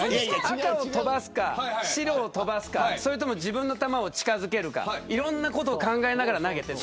赤を飛ばすか白を飛ばすかそれとも自分の球を近づけるかいろんなことを考えながら投げて。